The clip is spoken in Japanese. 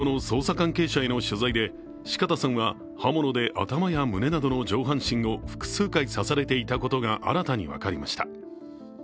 その後の捜査関係者への取材で、四方さんは刃物で頭や胸などの上半身を複数回、刺されていたことが新たに分かりました。